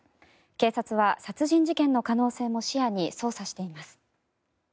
警察は殺人事件の可能性も視野に捜査しています。